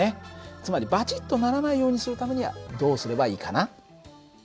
つまりバチッとならないようにするためにはどうすればいいかな？